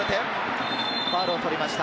ファウルを取りました。